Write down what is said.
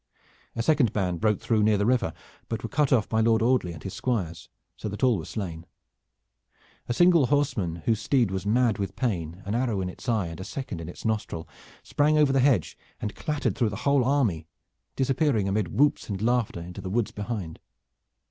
A second band broke through near the river, but were cut off by Lord Audley and his squires, so that all were slain. A single horseman whose steed was mad with pain, an arrow in its eye and a second in its nostril, sprang over the hedge and clattered through the whole army, disappearing amid whoops and laughter into the woods behind.